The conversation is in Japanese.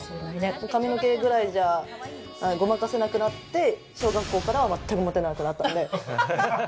髪の毛くらいじゃごまかせなくなって小学校からは全くもてなくなったんで。